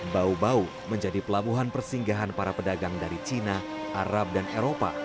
bau bau menjadi pelabuhan persinggahan para pedagang dari cina arab dan eropa